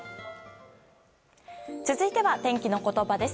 続いては、天気のことばです。